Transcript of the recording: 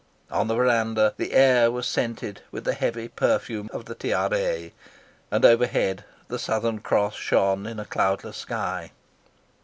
On the verandah the air was scented with the heavy perfume of the tiare, and overhead the Southern Cross shone in a cloudless sky.